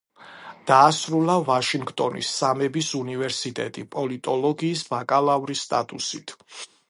დაასრულა ვაშინგტონის სამების უნივერსიტეტი პოლიტოლოგიის ბაკალავრის სტატუსით.